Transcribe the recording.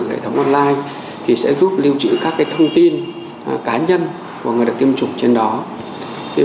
hệ thống online thì sẽ giúp lưu trữ các cái thông tin cá nhân của người đã tiêm chủng trên đó thế